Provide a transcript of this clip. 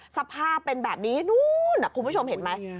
สภาพเป็นแบบนี้นู้นคุณผู้ชมเห็นไหม